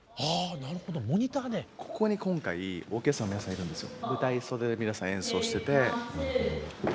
ここに今回オーケストラの皆さんがいるんですよ。